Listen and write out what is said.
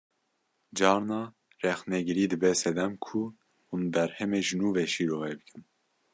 Carna rexnegirî dibe sedem ku hûn berhemê ji nû ve şîrove bikin